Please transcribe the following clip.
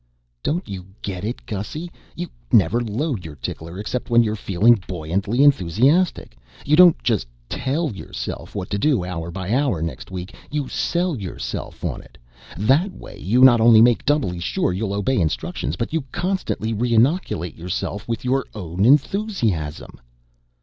"Don't you get it, Gussy? You never load your tickler except when you're feeling buoyantly enthusiastic. You don't just tell yourself what to do hour by hour next week, you sell yourself on it. That way you not only make doubly sure you'll obey instructions but you constantly reinoculate yourself with your own enthusiasm."